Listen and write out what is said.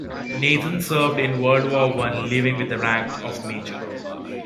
Nathan served in World War One, leaving with the rank of Major.